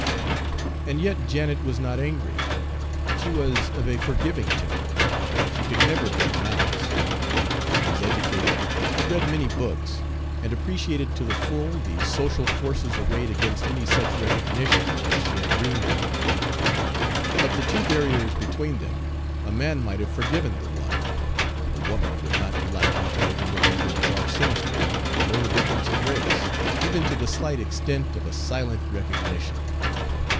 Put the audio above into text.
And yet Janet was not angry. She was of a forgiving temper; she could never bear malice. She was educated, had read many books, and appreciated to the full the social forces arrayed against any such recognition as she had dreamed of. Of the two barriers between them a man might have forgiven the one; a woman would not be likely to overlook either the bar sinister or the difference of race, even to the slight extent of a silent recognition.